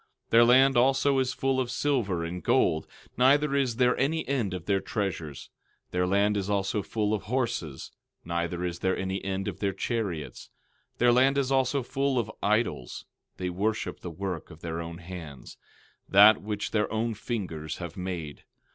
12:7 Their land also is full of silver and gold, neither is there any end of their treasures; their land is also full of horses, neither is there any end of their chariots. 12:8 Their land is also full of idols; they worship the work of their own hands, that which their own fingers have made.